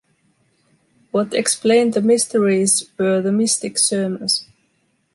What explained the mysteries were the mystic sermons.